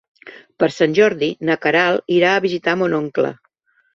Per Sant Jordi na Queralt irà a visitar mon oncle.